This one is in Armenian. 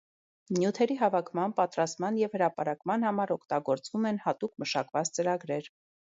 Նյութերի հավաքման, պատրաստման և հրապարակման համար օգտագործվում են հատուկ մշակված ծրագրեր։